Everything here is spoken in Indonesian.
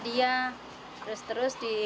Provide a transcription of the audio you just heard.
dia terus terus di